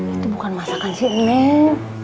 itu bukan masakan si neng